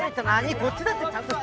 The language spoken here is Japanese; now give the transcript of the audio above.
こっちだってちゃんとしてるよ！